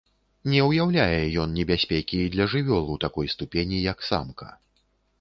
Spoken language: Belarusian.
Не ўяўляе ён небяспекі і для жывёл у такой ступені, як самка.